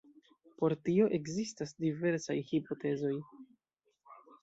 Por tio ekzistas diversaj hipotezoj.